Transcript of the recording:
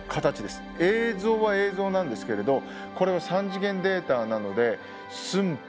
映像は映像なんですけれどこれは３次元データなので寸法